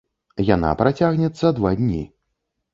Яна працягнецца два дні.